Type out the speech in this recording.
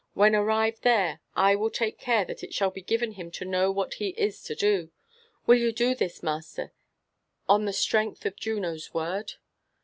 When arrived there, I will take care that it shall be given him to know what he is to do. Will you do this, master, on the strength of Juno*s word?"